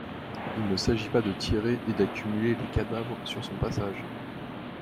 Il ne s'agit pas de tirer et d'accumuler les cadavres sur son passage.